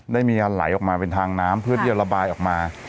ได้มีการไหลออกมาเป็นทางน้ำเพื่อที่จะระบายออกมา